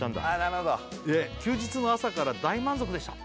なるほど「休日の朝から大満足でした」